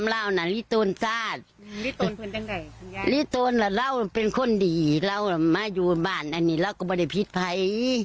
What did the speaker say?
นี่เราเป็นคนดีเรามาอยู่บ้านอันนี้เราก็ไม่ได้ผิดภัย